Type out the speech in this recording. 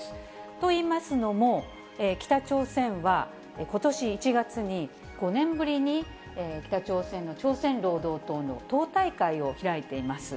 といいますのも、北朝鮮はことし１月に、５年ぶりに北朝鮮の朝鮮労働党の党大会を開いています。